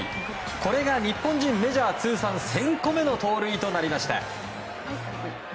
これが、日本人メジャー通算１０００個目の盗塁となりました。